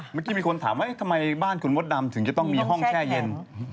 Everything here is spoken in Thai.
เมื่อกี้มีคนถามว่าทำไมบ้านคุณมดดำถึงจะต้องมีห้องแช่เย็น